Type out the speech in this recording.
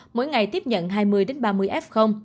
mỗi ngày tiếp nhận hai mươi ba mươi f